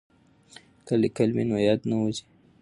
که لیکل وي نو یاد نه وځي.